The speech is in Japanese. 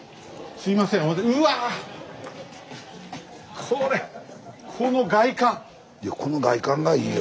スタジオいやこの外観がいいよ。